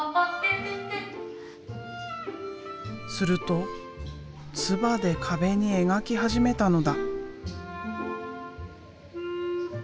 すると唾で壁に描き始めたのだ。